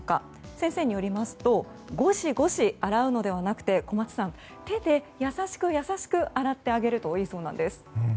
先生によりますとごしごし洗うのではなくて小松さん手で優しく優しく洗ってあげるといいそうなんです。